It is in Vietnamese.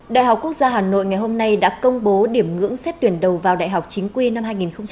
đại học quốc gia hà nội ngày hôm nay đã công bố điểm ngưỡng xét tuyển đầu vào đại học chính quy năm hai nghìn hai mươi